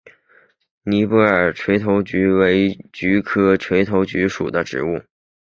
尼泊尔垂头菊为菊科垂头菊属的植物。